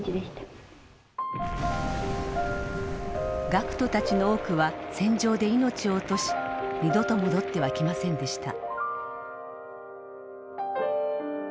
学徒たちの多くは戦場で命を落とし二度と戻ってはきませんでした。